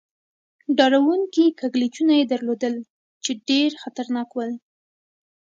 ډار و ر و نکي کږلېچونه يې درلودل، چې ډېر خطرناک ول.